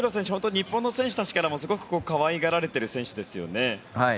日本の選手たちからもすごく可愛がられている選手ですよね。